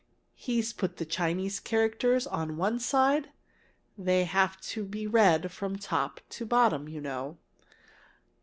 "He's put the Chinese characters at one side. They have to be read from top to bottom, you know.